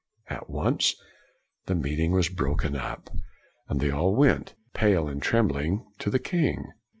At once, the meeting was broken up, and they all went, pale and trembling, to the king.